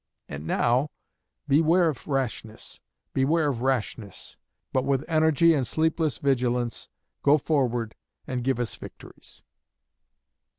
And now, beware of rashness. Beware of rashness; but with energy and sleepless vigilance, go forward and give us victories.